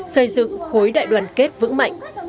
xây dựng khối đại đoàn kết vững mạnh